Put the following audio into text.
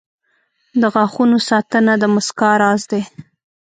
• د غاښونو ساتنه د مسکا راز دی.